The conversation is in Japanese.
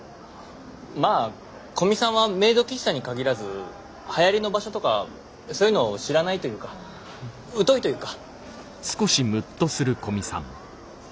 まあ古見さんはメイド喫茶に限らず流行りの場所とかそういうの知らないというか疎いというか。